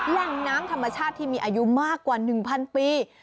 แหล่งน้ำธรรมชาติที่มีอายุมากกว่า๑๐๐ปี